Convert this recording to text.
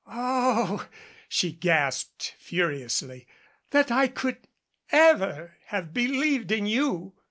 "Oh," she gasped furiously. "That I could ever have believed in you!"